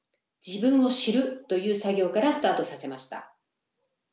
自分を知るという作業からスタートさせました。